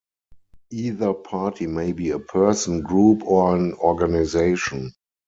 Either party may be a person, group, or an organization.